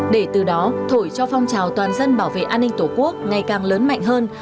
để từ đó thổi cho phong trào toàn dân bảo vệ an ninh tổ quốc ngày càng lớn mạnh hơn